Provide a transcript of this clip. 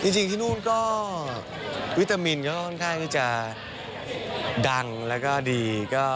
จริงที่นู่นก็วิตามินก็ค่อนข้างที่จะดังแล้วก็ดี